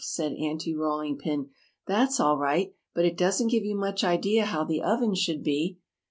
said Aunty Rolling Pin, "that's all right, but it doesn't give you much idea how the oven should be."